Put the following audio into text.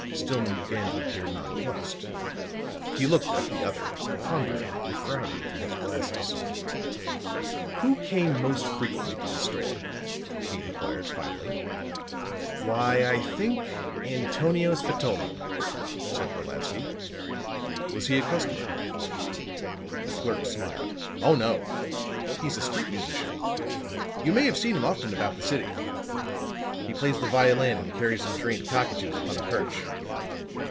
Stillman began to appear nonplussed. He looked at the other, pondering and frowning through his glasses. "Who came most frequently to the store?" he inquired finally. "Why, I think Antonio Spatola," said Brolatsky. "Was he a customer?" The clerk smiled. "Oh, no. He's a street musician. You may have seen him often about the city. He plays the violin and carries some trained cockatoos upon a perch."